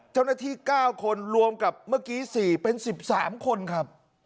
เจ้าหน้าที่๙คนรวมกับเมื่อกี้๔เป็น๑๓คนครับ